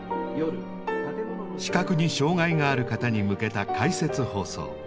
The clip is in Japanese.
視覚に障害がある方に向けた「解説放送」。